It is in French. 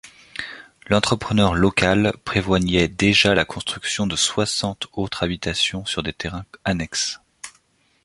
L’entrepreneur local prévoyait déjà la construction de soixante autres habitations sur des terrains annexes.